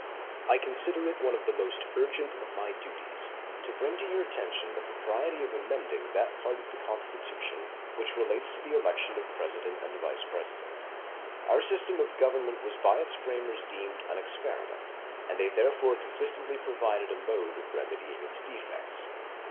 I consider it one of the most urgent of my duties to bring to your attention the propriety of amending that part of the Constitution which relates to the election of President and Vice President. Our system of government was by its framers deemed an experiment, and they therefore consistently provided a mode of remedying its defects.